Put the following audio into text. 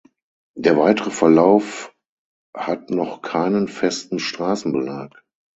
Der weitere Verlauf hat noch keinen festen Straßenbelag.